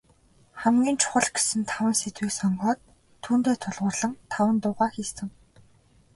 Хамгийн чухал гэсэн таван сэдвийг сонгоод, түүндээ тулгуурлан таван дуугаа хийсэн.